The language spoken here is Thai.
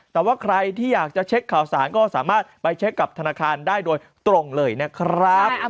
แต่ว่าใครที่อยากจะเช็คข่าวสารก็สามารถไปเช็คกับธนาคารได้โดยตรงเลยนะครับ